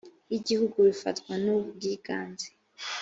y igihugu bifatwa n ubwiganze